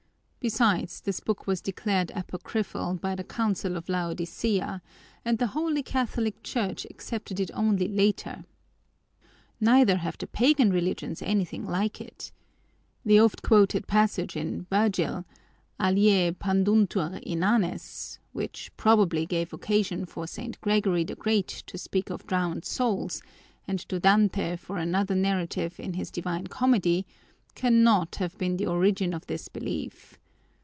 Besides, this book was declared apocryphal by the Council of Laodicea and the holy Catholic Church accepted it only later. Neither have the pagan religions anything like it. The oft quoted passage in Virgil, Aliae panduntur inanes, which probably gave occasion for St. Gregory the Great to speak of drowned souls, and to Dante for another narrative in his Divine Comedy, cannot have been the origin of this belief.